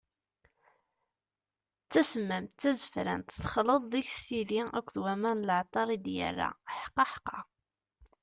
D tasemmamt, d tazefrant, texleḍ deg-s tidi akked waman n leɛṭer i d-yerra, ḥqaḥqa!